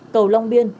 cầu long biên